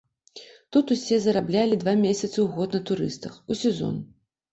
Тут усе зараблялі два месяцы ў год на турыстах, у сезон.